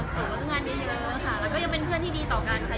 แล้วก็ยังเป็นเพื่อนที่ดีต่อกันค่ะ